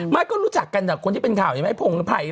ไม่ก็รู้จักกันจากคนที่เป็นข่าวใช่ไหมผงไผ่เลย